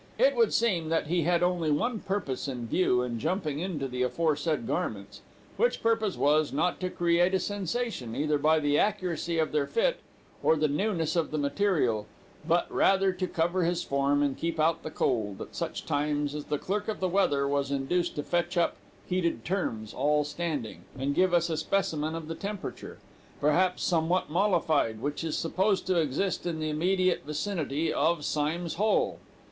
It would seem that he had only one purpose in view in jumping into the aforesaid garments, which purpose was, not to create a sensation, either by the accuracy of their fit, or the newness of the material, but rather to cover his form, and keep out the cold, at such times as the clerk of the weather was induced to fetch up "heated terms" all standing, and give us a specimen of the temperature, perhaps somewhat mollified, which is supposed to exist in the immediate vicinity of Symmes Hole.